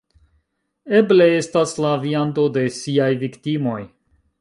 Eble, estas la viando de siaj viktimoj